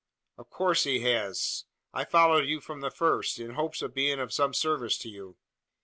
"Of coarse he has. I followed you from the first in hopes of being of some service to you."